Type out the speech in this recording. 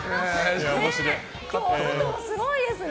外もすごいですね。